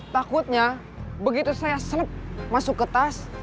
takutnya begitu saya seleb masuk ke tas